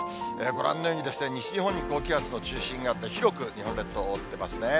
ご覧のように西日本に高気圧の中心があって、広く日本列島を覆ってますね。